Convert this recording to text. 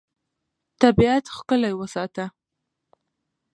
طبیعت ښکلی وساته.